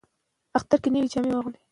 د رواني روغتیا خبرتیا ضروري ده.